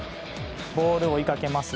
ボールを追いかけます。